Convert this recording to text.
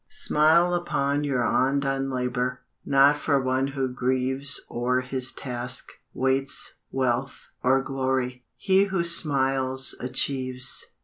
Smile upon your undone labor; Not for one who grieves O'er his task, waits wealth or glory; He who smiles achieves.